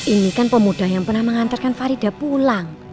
ini kan pemuda yang pernah mengantarkan farida pulang